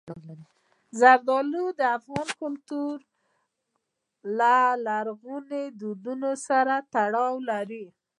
زردالو د افغان کلتور او لرغونو دودونو سره تړاو لري.